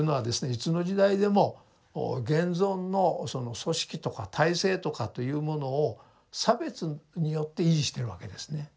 いつの時代でも現存のその組織とか体制とかというものを差別によって維持しているわけですね。